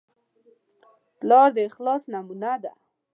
پلار د اخلاص نمونه ده.